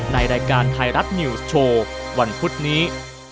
ในรายการไทยรัฐนิวส์โชว์วันพุธนี้